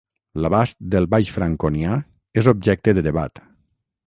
L'abast del baix franconià és objecte de debat.